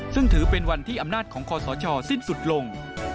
ซึ่งถือเป็นวันที่อำนาจของคอสชสิ้นสุดลง